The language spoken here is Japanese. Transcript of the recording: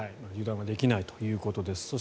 油断はできないということです。